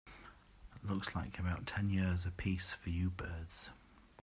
Looks like about ten years a piece for you birds.